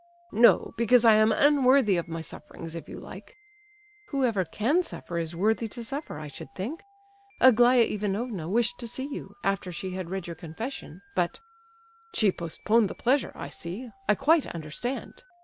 "No; because I am unworthy of my sufferings, if you like!" "Whoever can suffer is worthy to suffer, I should think. Aglaya Ivanovna wished to see you, after she had read your confession, but—" "She postponed the pleasure—I see—I quite understand!"